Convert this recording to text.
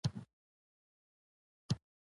او د چک د سیند په غاړه پرته ده